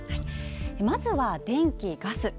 まずは電気・ガス。